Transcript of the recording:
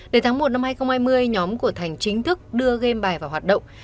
để tháng một năm hai nghìn hai mươi nhóm của thành chính thức đưa game bài vào hoạt động